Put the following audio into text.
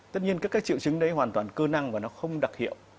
tất nhiên các triệu chứng đấy hoàn toàn cơ năng và nó không đặc hiệu